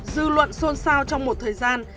dư luận xôn xao trong một thời gian